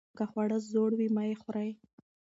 که خواړه زوړ وي مه یې خورئ.